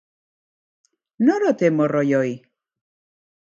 Nor ote morroi hori?